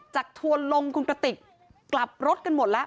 ทัวร์ลงคุณกระติกกลับรถกันหมดแล้ว